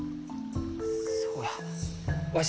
そうやわし